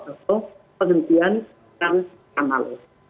atau penelitian undang amalus